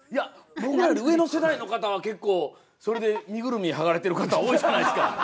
僕らより上の世代の方は結構それで身ぐるみ剥がれてる方は多いじゃないですか。